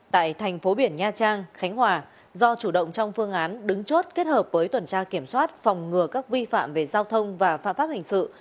tại thành phố biển nha trang khánh hòa do chủ động trong phương án đứng chốt kết hợp với tuần tra kiểm soát phòng ngừa các vi phạm về giao thông và phạm pháp hình sự